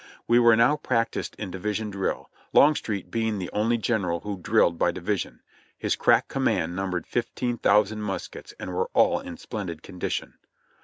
We were now practiced in division drill, Longstreet being the only general who drilled by division. His crack command num bered fifteen thousand muskets and were all in splendid condition.